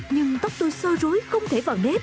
nhưng tóc tôi sơ rối không thể vào nếp